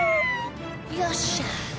よっしゃ！